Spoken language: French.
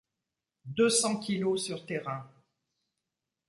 Deux cents kilos sur tes reins.